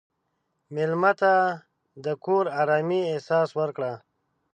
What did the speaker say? مېلمه ته د کور د ارامۍ احساس ورکړه.